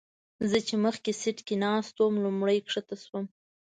زه چې مخکې سیټ کې ناست وم لومړی ښکته شوم.